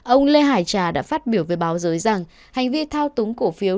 ông lê hải trà đã phát biểu với báo giới rằng hành vi thao túng cổ phiếu